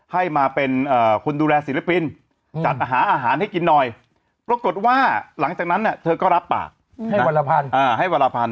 ให้มาเป็นคุณดูแลศิริพิน